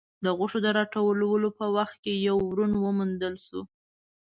د غوښو د راټولولو په وخت کې يو ورون وموندل شو.